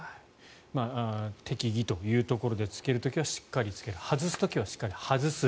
適宜というところで着ける時はしっかり着ける外す時はしっかり外す。